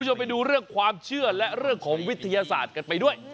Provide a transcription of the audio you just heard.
คุณผู้ชมไปดูเรื่องความเชื่อและเรื่องของวิทยาศาสตร์กันไปด้วย